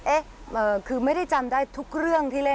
เอ๊ะคือไม่ได้จำได้ทุกเรื่องที่เล่น